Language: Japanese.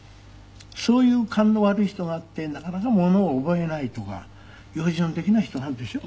そういう勘の悪い人があってなかなかものを覚えないとか用事のできない人があるでしょ？